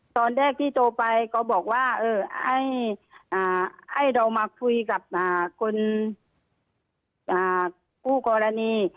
ตอนแรกที่โทรไปก็บอกว่าให้เรามาคุยกับคนคู่กรณี